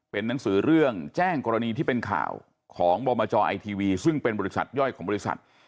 เป็นหนังสือเรื่องแจ้งกรณีที่เป็นข่าวของบมจไอทีวีซึ่งเป็นบริษัทย่อยของบริษัท